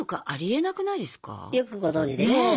よくご存じで。ねぇ。